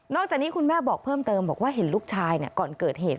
จากนี้คุณแม่บอกเพิ่มเติมบอกว่าเห็นลูกชายก่อนเกิดเหตุ